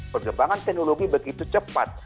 perkembangan teknologi begitu cepat